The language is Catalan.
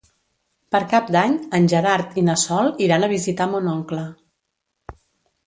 Per Cap d'Any en Gerard i na Sol iran a visitar mon oncle.